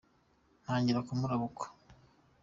Ntangira kumurabukwa